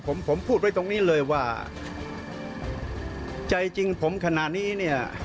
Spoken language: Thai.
ผมผมพูดไว้ตรงนี้เลยว่าใจจริงผมขณะนี้เนี่ย